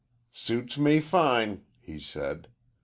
"Suits me fine," he said.